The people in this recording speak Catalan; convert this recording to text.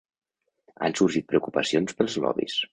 Han sorgit preocupacions pels lobbys.